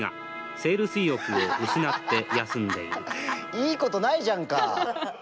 いいことないじゃんか！